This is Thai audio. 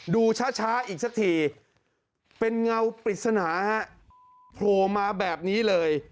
ดูช้าอีกสักทีเป็นเงาปริศนาฮะโผล่มาแบบนี้เลย